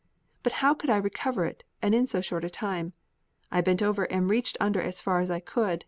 But how could I recover it, and in so short a time? I bent over and reached under as far as I could.